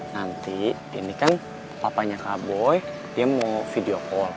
nanti ini kan papanya kaboy dia mau video call